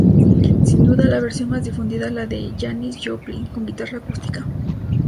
Sin duda la versión más difundida es la de Janis Joplin con guitarra acústica.